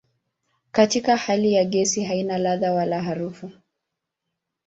Katika hali ya gesi haina ladha wala harufu.